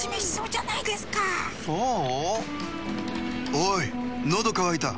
おいのどかわいた。